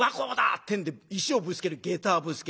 ってんで石をぶつける下駄はぶつける。